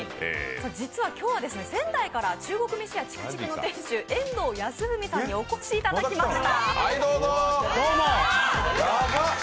実は今日は仙台から中国めしや竹竹の店主遠藤康文さんにお越しいただきました。